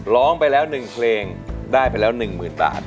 ร้องไปแล้ว๑เพลงได้ไปแล้ว๑๐๐๐บาท